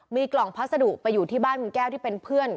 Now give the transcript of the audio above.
มีกล่องพัสดุไปอยู่ที่บ้านคุณแก้วที่เป็นเพื่อน